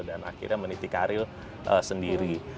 dan akhirnya meniti karil sendiri